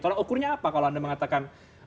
tolak ukurnya apa kalau anda mengatakan